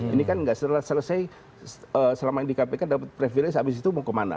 ini kan nggak selesai selama ini di kpk dapat privilege abis itu mau kemana